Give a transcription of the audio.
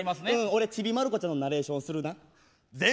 俺「ちびまる子ちゃん」のナレーションするな。